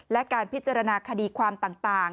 และการพิจารณาคดีความต่าง